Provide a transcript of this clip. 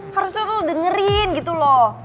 harusnya aku dengerin gitu loh